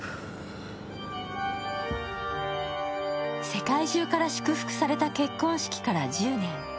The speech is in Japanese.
世界中から祝福された結婚式から１０年。